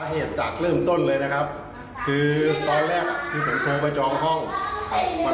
เดี๋ยวผมจะไปตามไปจ่าย